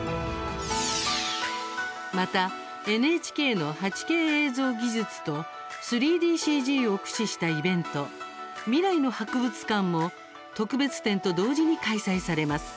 また、ＮＨＫの８Ｋ映像技術と３ＤＣＧを駆使したイベント「未来の博物館」も特別展と同時に開催されます。